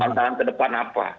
antara ke depan apa